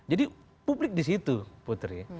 jadi publik disitu putri